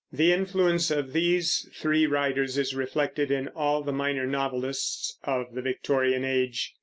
The influence of these three writers is reflected in all the minor novelists of the Victorian Age.